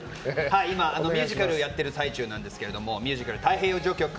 今、ミュージカルをやってる最中なんですけどミュージカル「太平洋序曲」。